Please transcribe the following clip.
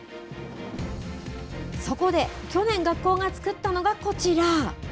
そこで去年、学校がつくったのがこちら。